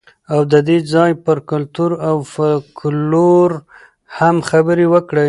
او د دې ځای پر کلتور او فولکلور هم خبرې وکړئ.